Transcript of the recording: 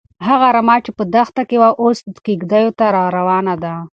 هغه رمه چې په دښته کې وه، اوس کيږديو ته راروانه ده.